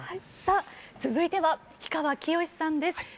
さあ続いては氷川きよしさんです。